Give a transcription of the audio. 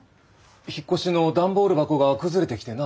引っ越しの段ボール箱が崩れてきてな。